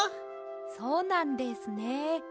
そうなんですね。